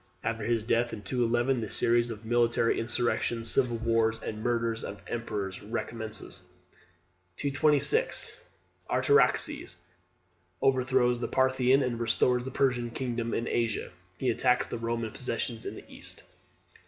After his death in 211, the series of military insurrections, civil wars, and murders of emperors recommences. 226. Artaxerxes (Ardisheer) overthrows the Parthian, and restores the Persian kingdom in Asia. He attacks the Roman possessions in the East.